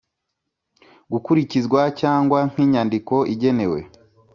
gukurikizwa cyangwa nk inyandiko igenewe